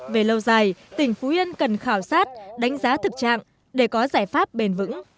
về lâu dài tỉnh phú yên cần khảo sát đánh giá thực trạng để có giải pháp bền vững